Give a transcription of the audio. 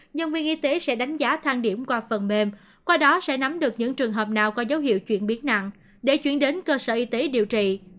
nhân viên y tế sẽ đánh giá thang điểm qua phần mềm qua đó sẽ nắm được những trường hợp nào có dấu hiệu chuyển biến nặng để chuyển đến cơ sở y tế điều trị